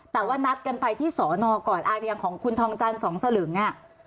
แต่ว่านัดกันไปที่สอนอก่อนอย่างของคุณทองจันทร์สองสลึง